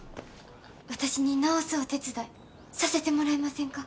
私に直すお手伝いさせてもらえませんか。